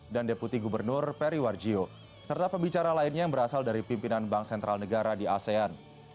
dan deputi gubernur periwarjo serta pembicara lainnya yang berasal dari pimpinan bank sentral negara di asean